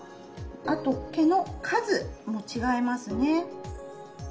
あと毛の数も違いますね。